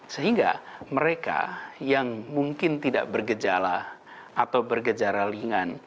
sehingga mereka yang mungkin tidak bergejala atau bergejala ringan